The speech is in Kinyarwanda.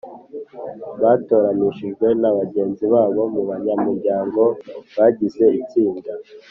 batoranijwe na bagenzi babo mu banyamuryango bagize itsinda